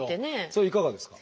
それはいかがですか？